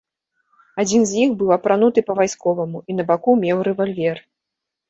Адзін з іх быў апрануты па-вайсковаму і на баку меў рэвальвер.